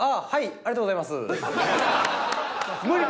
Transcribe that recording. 「ありがとうございますー」。